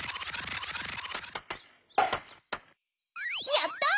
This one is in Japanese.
やった！